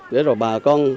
để rồi bà con